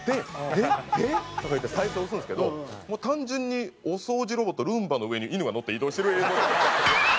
「えっ？えっ？」とか言って再生押すんですけどもう単純にお掃除ロボットルンバの上に犬がのって移動してる映像。